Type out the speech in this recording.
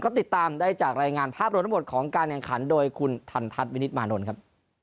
ก็ติดตามได้จากรายงานภาพรวมทั้งหมดของการแข่งขันโดยคุณทันทัศน์วินิตมานนท์ครับ